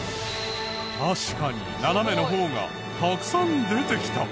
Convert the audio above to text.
確かに斜めの方がたくさん出てきた！